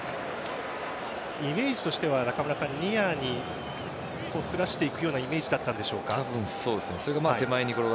イメージとしてはニアにすらしていくようなイメージだったんでしょうか。